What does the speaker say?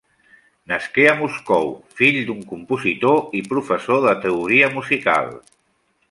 Nasqué en Moscou, fill d'un compositor i professor de teoria musical.